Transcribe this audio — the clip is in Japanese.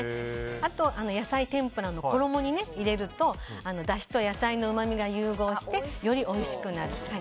あと、野菜天ぷらの衣に入れるとだしと野菜のうまみが融合してよりおいしくなる。